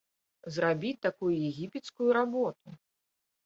Зрабіць такую егіпецкую работу!